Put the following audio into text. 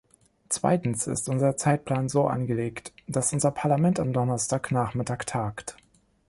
Zweitens ist unser Zeitplan so angelegt, dass unser Parlament am Donnerstagnachmittag tagt.